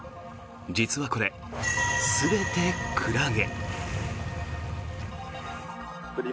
実はこれ、全てクラゲ。